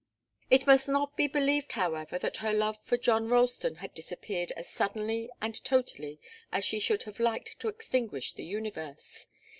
It must not be believed, however, that her love for John Ralston had disappeared as suddenly and totally as she should have liked to extinguish the universe.